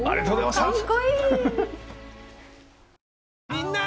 みんな！